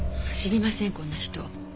知りませんこんな人。